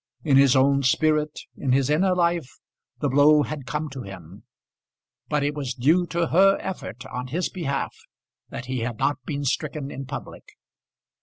In his own spirit, in his inner life, the blow had come to him; but it was due to her effort on his behalf that he had not been stricken in public.